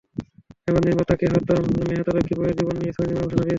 এবার নির্মাতা কেতন মেহতা লক্ষ্মী বাইয়ের জীবন নিয়ে ছবি নির্মাণের ঘোষণা দিয়েছেন।